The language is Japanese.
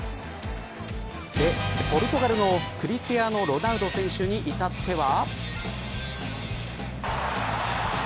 ポルトガルのクリスティアーノ・ロナウド選手に至っては。